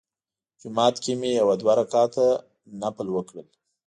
جومات کې مې یو دوه رکعته نفل وکړل.